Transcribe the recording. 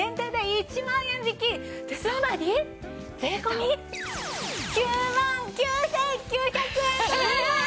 つまり税込９万９９００円となります！